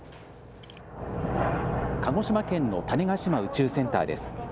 鹿児島県の種子島宇宙センターです。